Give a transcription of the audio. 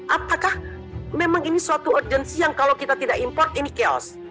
apakah memang ini suatu urgensi yang kalau kita tidak import ini chaos